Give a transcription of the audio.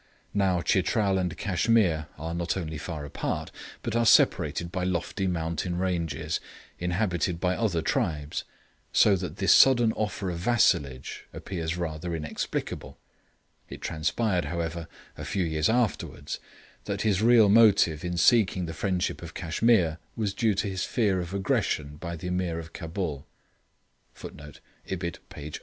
Now Chitral and Cashmere are not only far apart, but are separated by lofty mountain ranges, inhabited by other tribes, so that this sudden offer of vassalage seems rather inexplicable. It transpired, however, a few years afterwards, that his real motive in seeking the friendship of Cashmere was due to his fear of aggression by the Ameer of Cabul.[Footnote: Ibid, page 46.